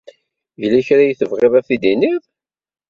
Yella kra ay tebɣiḍ ad t-id-tiniḍ?